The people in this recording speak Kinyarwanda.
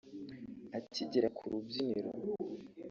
Akigera ku rubyiniro